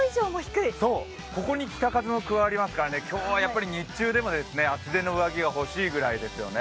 ここに北風も加わりますから今日は日中でも厚手の上着が欲しいぐらいですね。